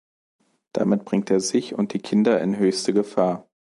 Damit bringt er sich und die Kinder in höchste Gefahr.